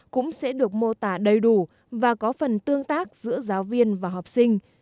cũng sẽ được mô tả đầy đủ và có phần tương tác giữa giáo viên và học sinh